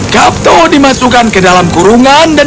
kapto dimasukkan ke dalam kurungan dan